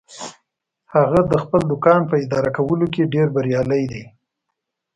هغه د خپل دوکان په اداره کولو کې ډیر بریالی ده